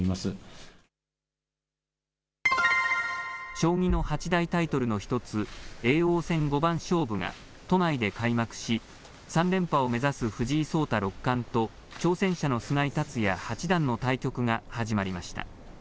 将棋の八大タイトルの１つ、叡王戦五番勝負が都内で開幕し３連覇を目指す藤井聡太六冠と挑戦者の菅井竜也八段の対局が始まりました。